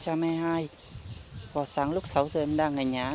hòa sáng lúc sáu giờ em đang ở nhà